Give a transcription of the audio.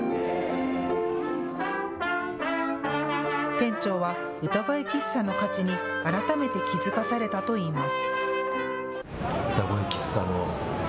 店長は歌声喫茶の価値に改めて気付かされたといいます。